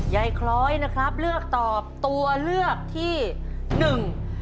ยายคล้อยนะครับเลือกตอบตัวเลือกที่หนึ่ง